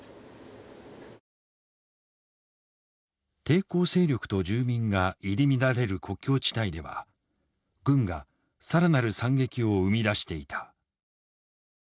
抵抗勢力と住民が入り乱れる国境地帯では軍が更なる惨劇を生み出していた。